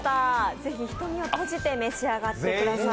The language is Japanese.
ぜひ瞳をとじて召し上がってください。